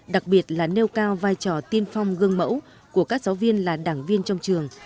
đặc biệt là nêu cao vai trò tiên phong gương mẫu của các giáo viên là đảng viên trong trường